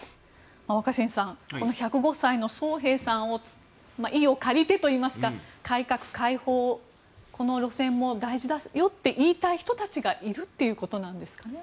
若新さん、１０５歳のソウ・ヘイさんの威を借りてといいますか改革開放をこの路線も大事だよと言いたい人たちがいるということなんですかね。